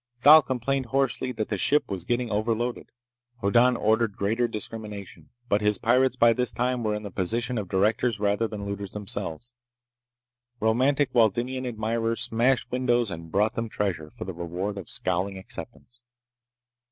Thal complained hoarsely that the ship was getting overloaded. Hoddan ordered greater discrimination, but his pirates by this time were in the position of directors rather than looters themselves. Romantic Waldenian admirers smashed windows and brought them treasure, for the reward of a scowling acceptance.